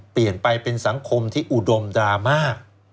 เปลี่ยนไปเป็นสังคมที่อุดมดราม่า